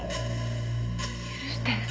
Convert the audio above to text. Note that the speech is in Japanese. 許して。